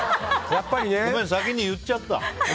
ごめん、先に言っちゃった。